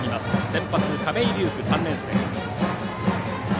先発の亀井颯玖、３年生。